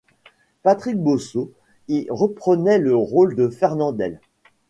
Patrick Bosso y reprenait le rôle de Fernandel.